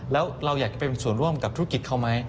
แล้วเราอยากจะเป็นส่วนร่วมกับธุรกิจเขาไหม